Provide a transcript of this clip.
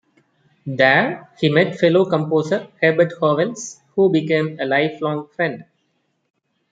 There he met fellow composer Herbert Howells, who became a lifelong friend.